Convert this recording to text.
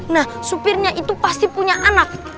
nah supirnya itu pasti punya anak